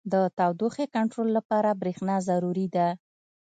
• د تودوخې کنټرول لپاره برېښنا ضروري ده.